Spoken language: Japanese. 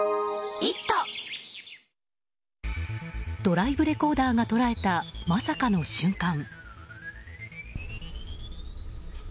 ドライブレコーダーが捉えたまさかの瞬間。